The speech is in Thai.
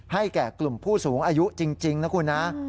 แก่กลุ่มผู้สูงอายุจริงนะคุณนะ